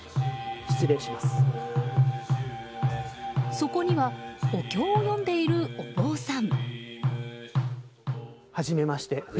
そこにはお経を読んでいるお坊さん。